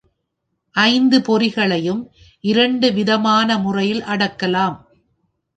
ஐந்து பொறிகளையும் இரண்டு விதமான முறையில் அடக்கலாம்.